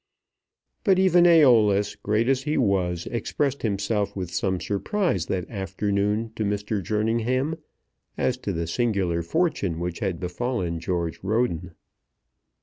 But even Æolus, great as he was, expressed himself with some surprise that afternoon to Mr. Jerningham as to the singular fortune which had befallen George Roden.